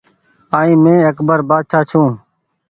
ائين مينٚ اڪبر بآڇآ ڇوٚنٚ